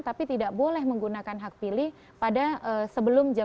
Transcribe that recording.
tapi tidak boleh menggunakan hak pilih pada sebelum jam dua belas